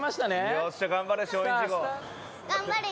よっしゃ頑張れ松陰寺号。